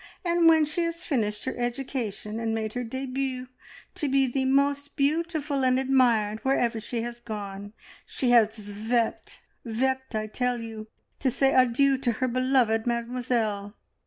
And when she has finished her education and made her debut, to be the most beautiful and admired wherever she has gone, she has vept vept, I tell you, to say adieu to her beloved Mademoiselle!